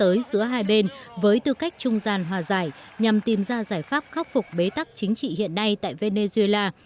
cuộc họp chủ vị giữa hai bên với tư cách trung gian hòa giải nhằm tìm ra giải pháp khắc phục bế tắc chính trị hiện nay tại venezuela